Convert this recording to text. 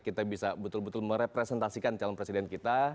kita bisa betul betul merepresentasikan calon presiden kita